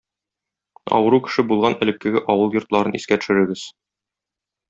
Авыру кеше булган элеккеге авыл йортларын искә төшерегез.